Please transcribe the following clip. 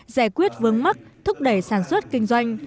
giải quyết vướng mắc thúc đẩy sản xuất kinh doanh